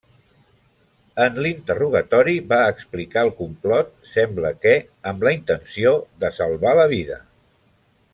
En l'interrogatori va explicar el complot, sembla que amb la intenció de salvar la vida.